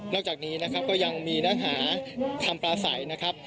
จากนี้นะครับก็ยังมีเนื้อหาคำปลาใสนะครับ